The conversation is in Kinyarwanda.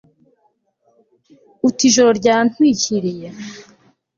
ut ijoro ryantwikiriye